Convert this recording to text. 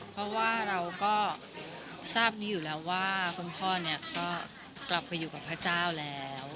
เพราะว่าเราก็ทราบนี้อยู่แล้วว่าคุณพ่อเนี่ยก็กลับไปอยู่กับพระเจ้าแล้ว